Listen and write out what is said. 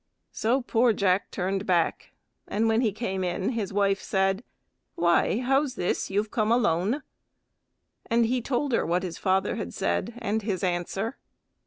So poor Jack turned back, and when he came in his wife said, "Why, how's this you've come alone?" and he told her what his father had said and his answer.